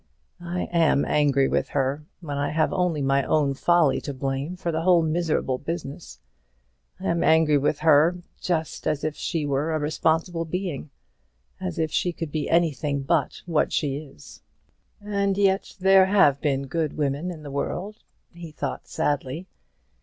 I am angry with her, when I have only my own folly to blame for the whole miserable business. I am angry with her, just as if she were a responsible being; as if she could be anything but what she is. And yet there have been good women in the world," he thought, sadly.